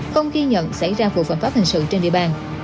không ghi nhận xảy ra vụ phạm pháp hình sự trên địa bàn